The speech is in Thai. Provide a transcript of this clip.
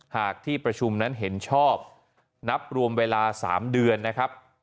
หากที่ประชุมนั้นเห็นชอบนับรวมเวลา๓เดือนนะครับ